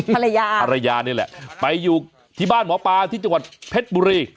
ภรรยาภรรยานี่แหละไปอยู่ที่บ้านหมอปลาที่จังหวัดเพชรบุรี